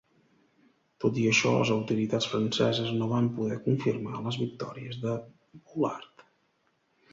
Tot i això, les autoritats franceses no van poder confirmar les victòries de Bullard.